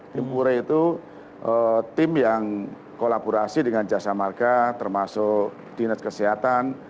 tim ure itu tim yang kolaborasi dengan jasa marga termasuk dinas kesehatan